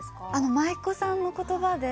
舞妓さんの言葉で。